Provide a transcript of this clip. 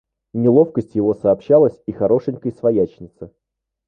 Неловкость его сообщалась и хорошенькой свояченице.